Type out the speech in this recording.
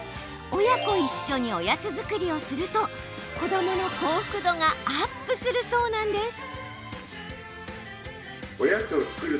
親子一緒におやつ作りをすると子どもの幸福度がアップするそうなんです。